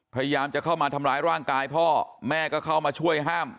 พยายามจะเข้ามาทำร้ายร่างกายพ่อแม่ก็เข้ามาช่วยห้าม